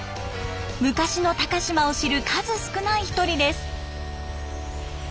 昔の高島を知る数少ない１人です。